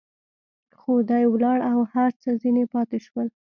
خو دى ولاړ او هر څه ځنې پاته سول.